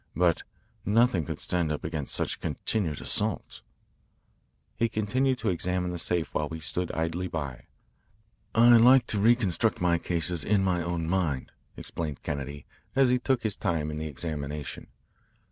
But nothing could stand up against such continued assaults." He continued to examine the safe while we stood idly by. "I like to reconstruct my cases in my own mind," explained Kennedy, as he took his time in the examination.